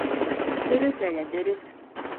Дөрөҫ, Ләлә, дөрөҫ.